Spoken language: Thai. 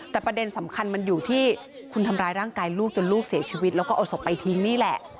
แต่ประเด็นสำคัญมันอยู่ที่คุณทำร้ายร่างกายลูกจนลูกเสียชีวิตแล้วก็เอาศพไปทิ้งนี่แหละ